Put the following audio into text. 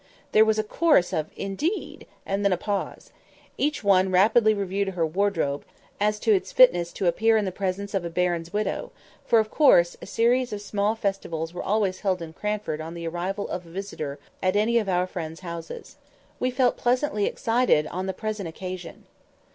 There was a chorus of "Indeed!" and then a pause. Each one rapidly reviewed her wardrobe, as to its fitness to appear in the presence of a baron's widow; for, of course, a series of small festivals were always held in Cranford on the arrival of a visitor at any of our friends' houses. We felt very pleasantly excited on the present occasion.